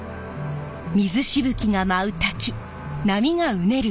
水しぶきが舞う滝波がうねる